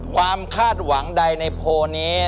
คาดหวังใดในโพลนี้